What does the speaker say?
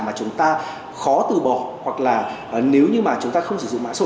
mà chúng ta khó từ bỏ hoặc là nếu như mà chúng ta không sử dụng mạng sổ